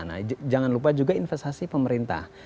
nah jangan lupa juga investasi pemerintah